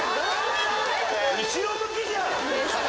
後ろ向きじゃん！